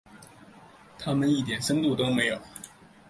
他们一点深度都没有。